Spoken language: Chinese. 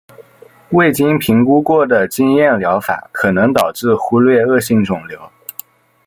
未经评估过的经验疗法可能导致忽略恶性肿瘤。